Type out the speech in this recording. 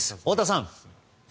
太田さん。